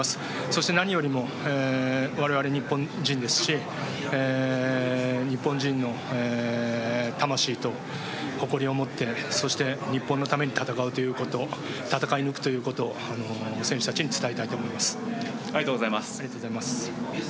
そして何よりも我々日本人ですし日本人の魂と誇りを持ってそして日本のために戦い抜くということを選手たちに伝えたいと思います。